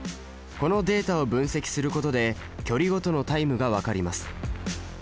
このデータを分析することで距離ごとのタイムが分かります。